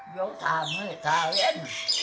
ยกทามือทาเล่น